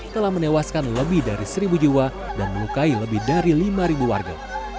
telah menewaskan lebih dari seribu jiwa dan melukai lebih dari lima warga